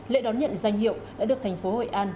lễ đón nhận danh hiệu đã được thành phố hội an